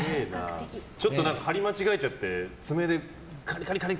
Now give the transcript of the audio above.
ちょっと貼り間違えちゃって爪でカリカリカリ